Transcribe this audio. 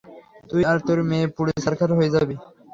তুই আর তোর মেয়ে পুড়ে ছারখার হয়ে যাবি।